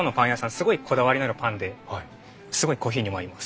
すごいこだわりのあるパンですごいコーヒーにも合います。